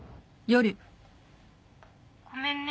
ごめんね。